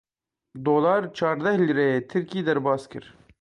Dolar çardeh lîreyê Tirkî derbas kir.